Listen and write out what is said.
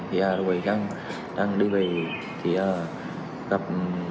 thì à lúc ấy đang đi về thì à gặp